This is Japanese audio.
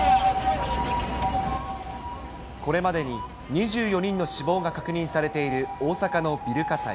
これまでに２４人の死亡が確認されている大阪のビル火災。